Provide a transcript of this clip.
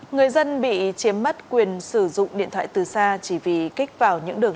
người dân bị chiếm mất quyền sử dụng điện thoại từ xa chỉ vì kích vào những đường